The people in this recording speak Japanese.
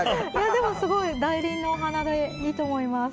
でもすごい大輪のお花でいいと思います。